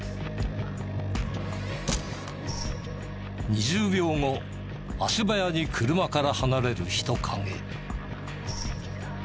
２０秒後足早に車から離れる人影。